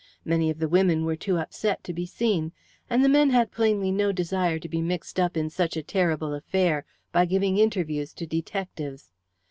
Many of the women were too upset to be seen, and the men had plainly no desire to be mixed up in such a terrible affair by giving interviews to detectives.